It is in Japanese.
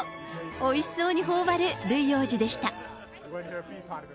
おいしそうにほおばるルイ王子でした。